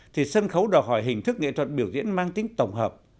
thì sân khấu đòi hỏi hình thức nghệ thuật biểu diễn mang tính tổng hợp